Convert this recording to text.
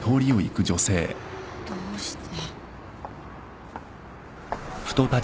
どうして。